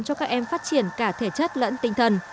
cho các em phát triển cả thể chất lẫn tinh thần